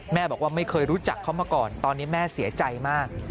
แม่บอกว่าไม่เคยรู้จักเขามาก่อนตอนนี้แม่เสียใจมาก